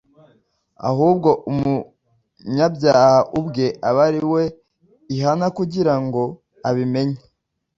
ahubwo umunyabyaha ubwe abe ari we ihana, kugira ngo abimenye